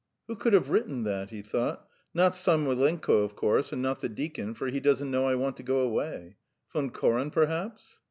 "Who could have written that?" he thought. "Not Samoylenko, of course. And not the deacon, for he doesn't know I want to go away. Von Koren, perhaps?"